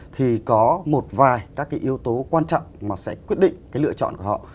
thì có một vài các cái yếu tố quan trọng mà sẽ quyết định cái lựa chọn của họ